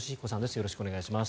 よろしくお願いします。